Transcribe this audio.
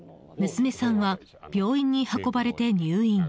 娘さんは病院に運ばれて入院。